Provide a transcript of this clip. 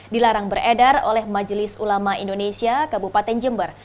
dilarang beredar oleh majelis ulama indonesia kabupaten jember